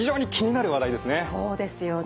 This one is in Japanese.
そうですよね。